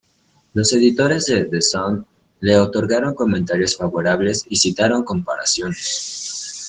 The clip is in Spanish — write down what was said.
Los editores de "The Sun" le otorgaron comentarios favorables y citaron comparaciones.